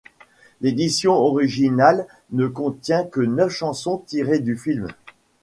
L'édition originale ne contient que neuf chansons tirées du film.